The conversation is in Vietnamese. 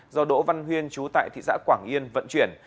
do đỗ văn huyên chú tại thị xã quảng yên vận chuyển